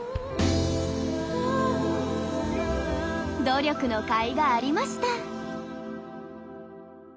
努力のかいがありました。